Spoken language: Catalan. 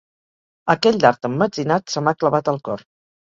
Aquell dard emmetzinat se m'ha clavat al cor.